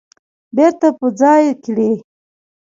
بیرته په ځای کړي